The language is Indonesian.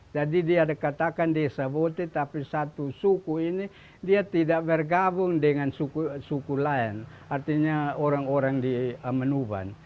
jadi dia dikatakan desa boti tapi satu suku ini dia tidak bergabung dengan suku lain artinya orang orang di amanuban